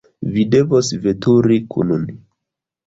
Vi devos veturi kun ni.